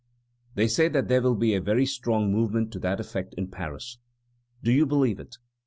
They say that there will be a very strong movement to that effect in Paris. Do you believe it?